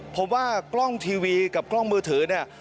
ผมว่ากล้องทีวีกับกล้องมือถือเนี่ย